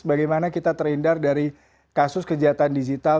bagaimana kita terhindar dari kasus kejahatan digital